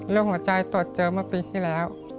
โรคหัวใจต่อเจอมาปีที่แล้ว